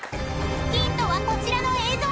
［ヒントはこちらの映像。